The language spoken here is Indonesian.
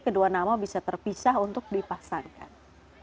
kedua nama bisa terpisah untuk dipasangkan